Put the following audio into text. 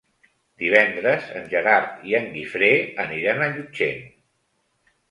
Divendres en Gerard i en Guifré aniran a Llutxent.